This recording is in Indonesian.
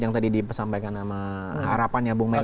yang tadi di pesampaikan sama harapannya bung mel